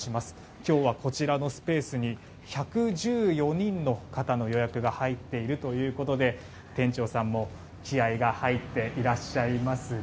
今日はこちらのスペースに１１４人の方の予約が入っているということで店長さんも気合が入っていらっしゃいますね。